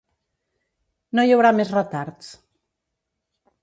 No hi haurà més retards.